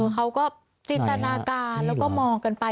เขาก็จินตนาการแล้วก็มองกันไป